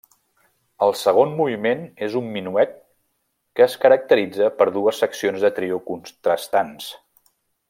El segon moviment és un minuet que es caracteritza per dues seccions de trio contrastants.